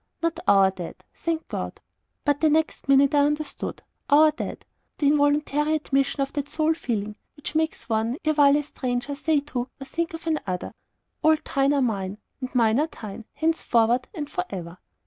"Not OUR dead, thank God!" But the next minute I understood. "OUR dead" the involuntary admission of that sole feeling, which makes one, erewhile a stranger, say to, or think of another "All thine are mine, and mine are thine, henceforward and for ever."